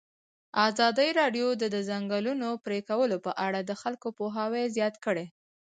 ازادي راډیو د د ځنګلونو پرېکول په اړه د خلکو پوهاوی زیات کړی.